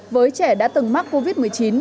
với trẻ đã từng mắc covid một mươi chín